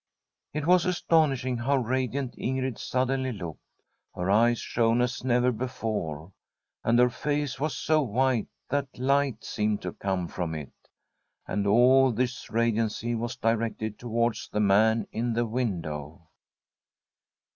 It was astonishing how radiant Ingrid sud denly looked. Her eyes shone as never before, and her face was so white that light seemed to come from it. And all this radiancy was directed towards the man in the window.